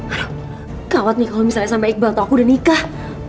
aduh kawat nih kalau misalnya sama iqbal tuh aku udah nikah